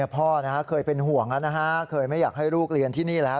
พ่อเคยเป็นห่วงเคยไม่อยากให้ลูกเรียนที่นี่แล้ว